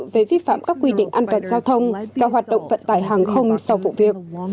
về vi phạm các quy định an toàn giao thông và hoạt động vận tải hàng không sau vụ việc